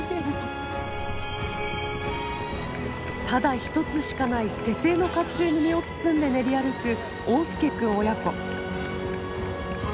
ただ一つしかない手製の甲冑に身を包んで練り歩く桜介くん親子。